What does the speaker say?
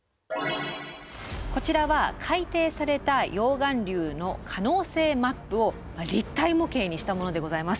こちらは改定された溶岩流の可能性マップを立体模型にしたものでございます。